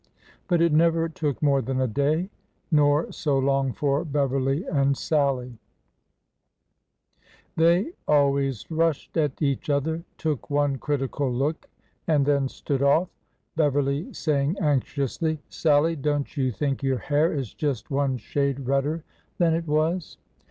But it never took more than a day, nor so long for Beverly and Sallie. They always rushed at each other, took one critical look, and then stood off, Beverly saying anxiously :" Sallie, don't you think your hair is just one shade redder than it was